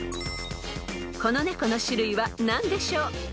［この猫の種類は何でしょう？］